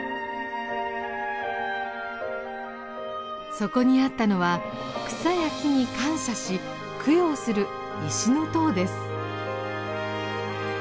そこにあったのは草や木に感謝し供養する石の塔です。